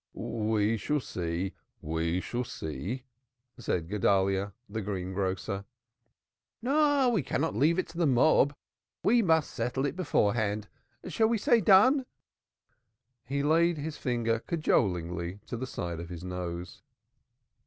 "We shall see; we shall see," said Guedalyah the greengrocer. "No, we cannot leave it to the mob, we must settle it beforehand. Shall we say done?" He laid his finger cajolingly to the side of his nose.